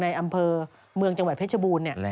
อำเภอเมืองจังหวัดเพชรบูรณ์